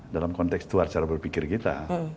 dalam konteks luar cara berpikir kita